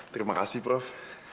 terima kasih prof